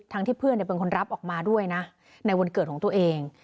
ที่เพื่อนเป็นคนรับออกมาด้วยนะในวันเกิดของตัวเอง